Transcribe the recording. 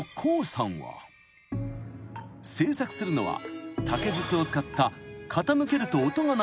［制作するのは竹筒を使った］